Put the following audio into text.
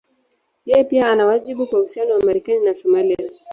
Yeye pia ana wajibu kwa uhusiano wa Marekani na Somalia.